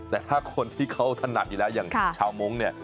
แต่ถ้าคนที่เขาถนัดอยู่แล้วอย่างชาวมงค์เนี่ย